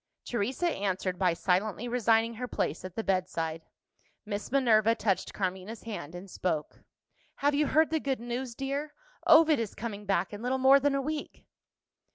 Teresa answered by silently resigning her place at the bedside. Miss Minerva touched Carmina's hand, and spoke. "Have you heard the good news, dear? Ovid is coming back in little more than a week."